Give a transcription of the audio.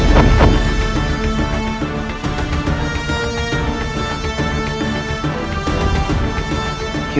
kau tidak tahu